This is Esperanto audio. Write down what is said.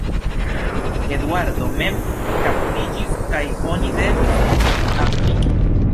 Eduardo mem kaptiĝis kaj oni devis lin abdiki.